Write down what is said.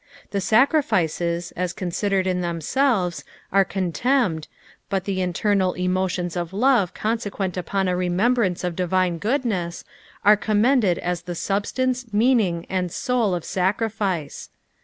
The sacrifices, as considered in themselves, are contemned, but the internal emotions of love consequent upon a remembraoco of divine goodness, are cotnmended as the substance, meaning, and soul of sacriflce.